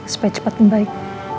supaya cepat membaik